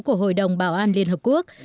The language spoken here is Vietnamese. của hội đồng bảo an liên hợp quốc